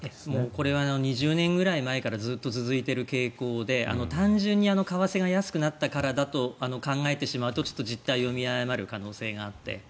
これは２０年ぐらい前からずっと続いている傾向で単純に為替が安くなったからだと考えると実態を見誤る可能性があって。